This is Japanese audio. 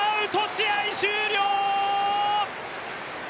試合終了！